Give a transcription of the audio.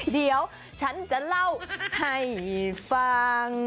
เดี๋ยวฉันจะเล่าให้ฟัง